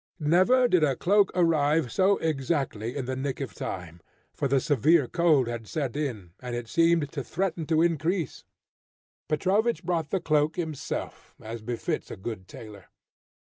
Never did a cloak arrive so exactly in the nick of time, for the severe cold had set in, and it seemed to threaten to increase. Petrovich brought the cloak himself as befits a good tailor.